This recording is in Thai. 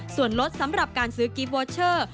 ส่วนลดสำหรับการซื้อกิฟเวอร์เชอร์